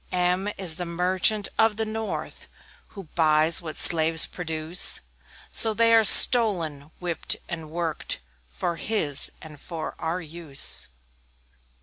M M is the Merchant of the north, Who buys what slaves produce So they are stolen, whipped and worked, For his, and for our use.